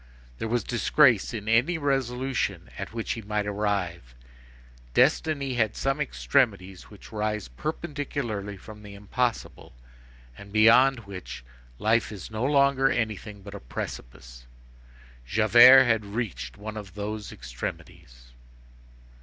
There was disgrace in any resolution at which he might arrive. Destiny has some extremities which rise perpendicularly from the impossible, and beyond which life is no longer anything but a precipice. Javert had reached one of those extremities.